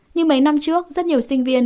nhưng mấy năm trước rất nhiều sinh viên